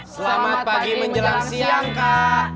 selamat pagi menjelang siang kak